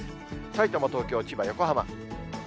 さいたま、東京、千葉、横浜。